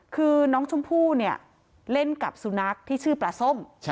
คือน้องชมพู่เนี่ยเล่นกับสุนัขที่ชื่อปลาส้ม